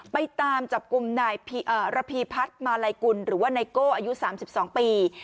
ไปตามจับกลุ่มนายระพีพัฒน์มาลัยกุลหรือว่าไนโก้อายุ๓๒ปี